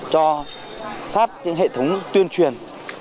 cho phát những hệ thống tuyên truyền